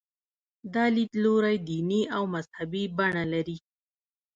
دا لیدلوری دیني او مذهبي بڼه لري.